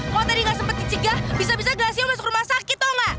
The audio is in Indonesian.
kalo tadi gak sempet diciga bisa bisa gelasnya masuk rumah sakit tau gak